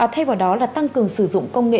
thay vào đó là tăng cường sử dụng công nghệ